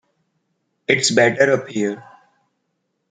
It's Better Up Here!